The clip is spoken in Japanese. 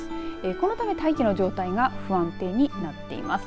このため大気の状態が不安定になっています。